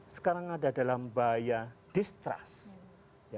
sekarang ada dalam bahaya distrust